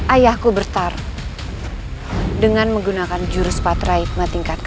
ayahku bertarung dengan menggunakan jurus patraikma tingkat ke sepuluh